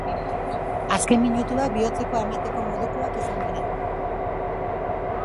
Azken minutuak bihotzekoa emateko modukoak izan dira.